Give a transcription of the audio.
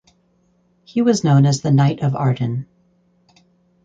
He was known as the Knight of Arden.